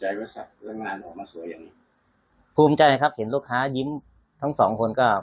รู้สึกภูมิใจว่าสักอย่างนานออกมาสวยอย่างนี้